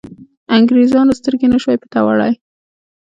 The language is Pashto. انګرېزانو سترګې نه شوای پټولای.